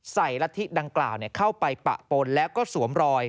ละทิดังกล่าวเข้าไปปะปนแล้วก็สวมรอย